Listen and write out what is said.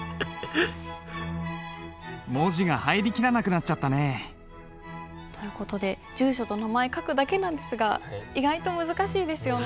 文字が入りきらなくなっちゃったね。という事で住所と名前書くだけなんですが意外と難しいですよね。